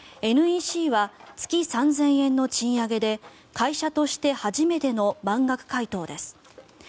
ＮＥＣは月３０００円の賃上げで会社として初めての満額回答です。